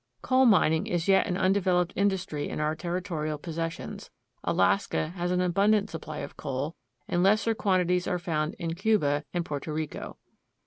Coal mining is yet an undeveloped industry in our territorial possessions. Alaska has an abundant supply of coal, and lesser quantities are found in Cuba and Porto Rico.